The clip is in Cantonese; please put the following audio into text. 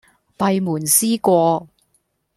閉門思過